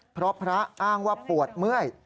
เพราะพระอ้างว่าปวดเมื่อย